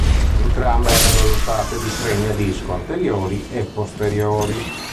Entrambe erano dotate di freni a disco anteriori e posteriori.